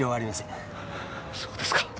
そうですか。